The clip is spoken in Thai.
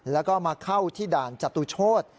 แล้วก็มาเข้าที่ด่านจตุโชธ